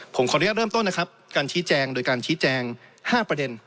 ผมขออนุญาตเริ่มต้นนะคะโดยการชี้แจง๕ประเด็น